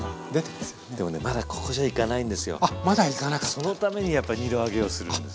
そのためにやっぱり２度揚げをするんです。